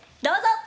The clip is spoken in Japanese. どうぞ！